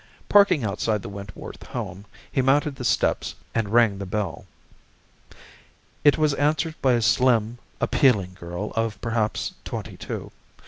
Parking outside the Wentworth home, he mounted the steps and rang the bell. It was answered by a slim, appealing girl of perhaps twenty two.